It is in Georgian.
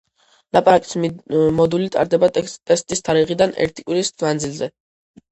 ლაპარაკის მოდული ტარდება ტესტის თარიღიდან ერთი კვირის მანძილზე.